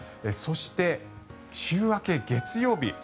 そして、週明け、月曜日